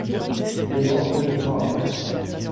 Il est mort peu de temps après.